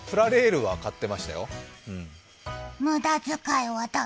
はい。